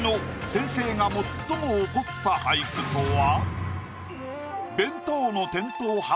先生が最も怒った俳句とは？